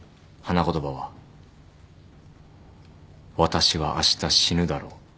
花言葉は「私はあした死ぬだろう」